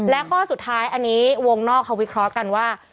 และข้อสุดท้ายอันนี้วงนอกเขาวิเคราะห์กันว่า